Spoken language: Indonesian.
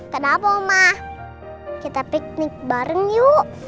kenapa mah kita piknik bareng yuk